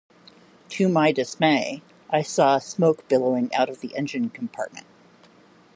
To my dismay, I saw smoke billowing out of the engine compartment.